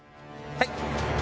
はい！